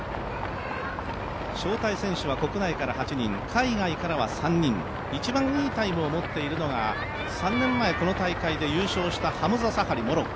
招待選手は国内から８人、海外からは３人一番いいタイムを持っているのが３年前、この大会で優勝したハムザ・サハリ、モロッコ。